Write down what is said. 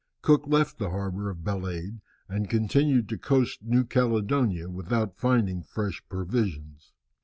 Cook left the harbour of Balade, and continued to coast New Caledonia, without finding fresh provisions.